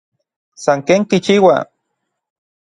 San ken kichiua.